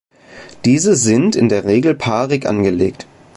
Diese sind in der Regel paarig angelegt.